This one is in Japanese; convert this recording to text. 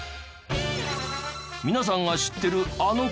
皆さんが知ってるあの国。